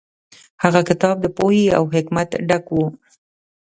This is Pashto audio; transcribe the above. هغه کتاب د پوهې او حکمت ډک و.